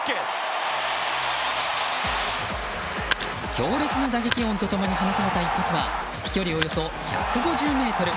強烈な打撃音と共に放たれた一発は飛距離およそ１５０ｍ。